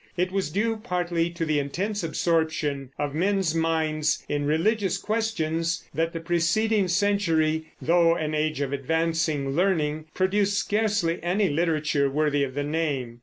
It was due partly to the intense absorption of men's minds in religious questions that the preceding century, though an age of advancing learning, produced scarcely any literature worthy of the name.